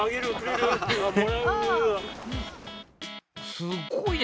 すごいね。